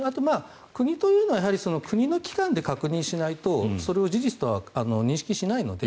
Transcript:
国というのは国の機関で確認しないとそれは事実と認識しないので。